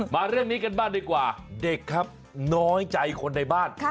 มาเรื่องนี้กันบ้างดีกว่าเด็กครับน้อยใจคนในบ้าน